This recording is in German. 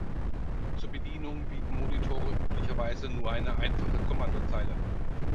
Zur Bedienung bieten Monitore üblicherweise nur eine einfache Kommandozeile.